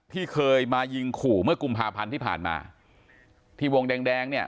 ที่เคยมายิงขู่เมื่อกุมภาพันธ์ที่ผ่านมาที่วงแดงแดงเนี่ย